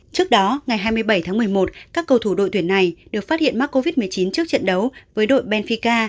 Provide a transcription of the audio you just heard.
trước đó ngày hai mươi bảy tháng một mươi một các cầu thủ đội tuyển này được phát hiện mắc covid một mươi chín trước trận đấu với đội benfika